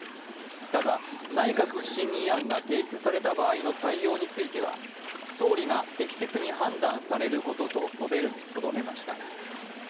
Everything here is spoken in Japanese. ただ内閣不信任案が提出された場合の対応については総理が適切に判断されることと述べるにとどめました。